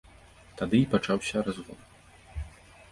Тады і пачаўся разгон.